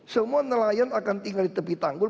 semua nelayan akan tinggal di tepi tanggul